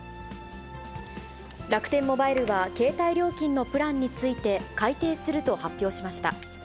楽天モバイルは、携帯料金のプランについて改定すると発表しました。